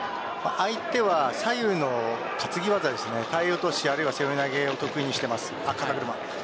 相手は左右の担ぎ技体落とし、あるいは背負い投げを得意としています。